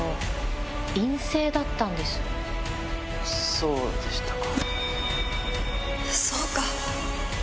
そうでしたか。